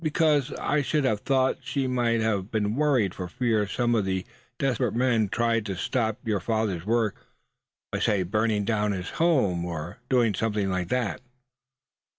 "Because, I should have thought she might have been worried for fear some of those desperate men tried to stop your father's work by burning down his home, or doing something like that?"